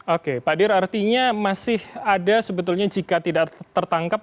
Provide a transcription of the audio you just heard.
oke pak dir artinya masih ada sebetulnya jika tidak tertangkap